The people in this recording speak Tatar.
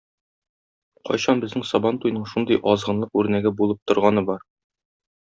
Кайчан безнең Сабантуйның шундый азгынлык үрнәге булып торганы бар?!